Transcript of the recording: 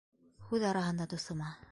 Һүҙ араһында дуҫыма: